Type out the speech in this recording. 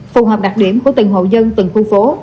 phù hợp đặc điểm của từng hộ dân từng khu phố